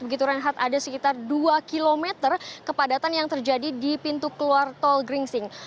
begitu renhard ada sekitar dua km kepadatan yang terjadi di pintu keluar tol gringsing